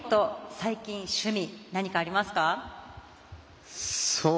最近、趣味、何かありますか？